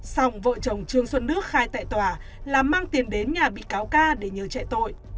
xong vợ chồng trương xuân nước khai tại tòa là mang tiền đến nhà bị cáo ca để nhờ chạy tội